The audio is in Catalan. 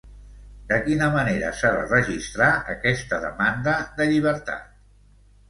De quina manera s'ha de registrar aquesta demanda de llibertat?